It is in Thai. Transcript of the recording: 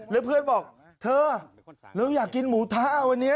แล้วเพื่อนบอกเธอเราอยากกินหมูทะวันนี้